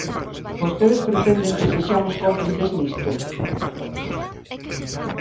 ¿Vostedes pretenden que sexamos cómplices nisto?